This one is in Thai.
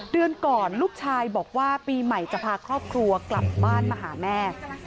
เดือนก่อนลูกชายบอกว่าปีใหม่จะพาครอบครัวกลับบ้านมาหาแม่